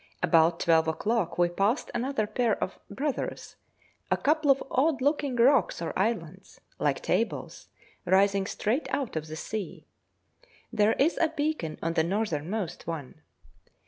About twelve o'clock we passed another pair of 'Brothers,' a couple of odd looking rocks or islands, like tables, rising straight out of the sea; there is a beacon on the northernmost one.